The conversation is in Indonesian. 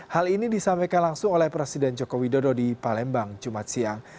hal ini disampaikan langsung oleh presiden joko widodo di palembang jumat siang